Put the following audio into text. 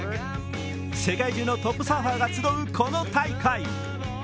世界中のトップサーファーが集うこの大会。